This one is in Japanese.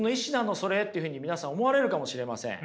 それというふうに皆さん思われるかもしれません。